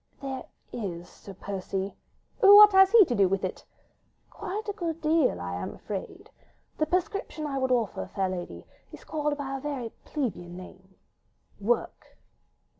"There is Sir Percy." "What has he to do with it?" "Quite a good deal, I am afraid. The prescription I would offer, fair lady, is called by a very plebeian name: Work!"